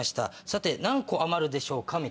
さて何個余るでしょうか？